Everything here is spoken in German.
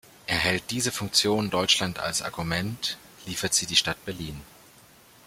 Erhält diese Funktion Deutschland als Argument, liefert sie die Stadt Berlin.